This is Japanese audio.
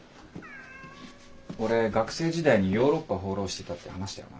俺学生時代にヨーロッパ放浪してたって話したよな。